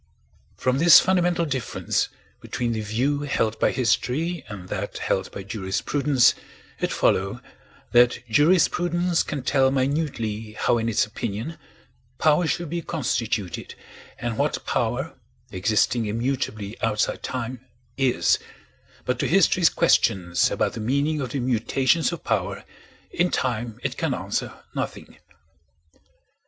From this fundamental difference between the view held by history and that held by jurisprudence, it follows that jurisprudence can tell minutely how in its opinion power should be constituted and what power—existing immutably outside time—is, but to history's questions about the meaning of the mutations of power in time it can answer nothing.